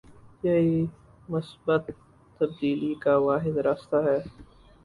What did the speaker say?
یہی مثبت تبدیلی کا واحد راستہ ہے۔